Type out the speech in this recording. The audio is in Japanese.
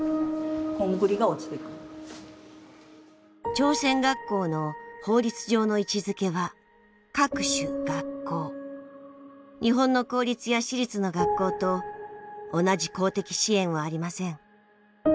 朝鮮学校の法律上の位置づけは日本の公立や私立の学校と同じ公的支援はありません。